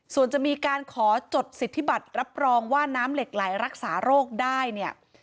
ส่วนจะมีการขอจดสิทธิบัตรรับรองว่าน้ำเหล็กไหลรักษาโรคได้เนี่ย